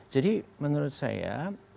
jadi menurut saya